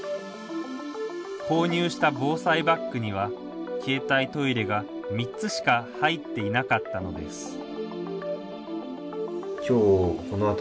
購入した防災バッグには携帯トイレが３つしか入っていなかったのです